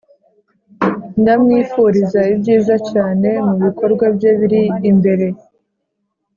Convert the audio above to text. ndamwifuriza ibyiza cyane mubikorwa bye biri imbere.